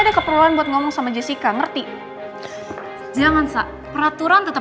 ada keperluan buat ngomong sama jessica ngerti jangan sak peraturan tetap